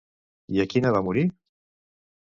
I a quina va morir?